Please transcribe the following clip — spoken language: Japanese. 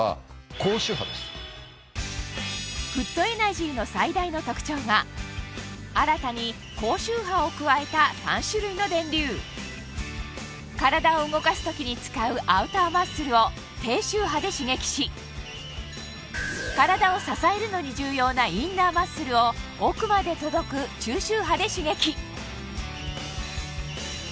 フットエナジーの最大の特徴は新たに高周波を加えた３種類の電流体を動かす時に使うアウターマッスルを低周波で刺激し体を支えるのに重要なインナーマッスルを奥まで届く中周波で刺激